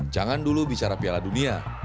jangan dulu bicara piala dunia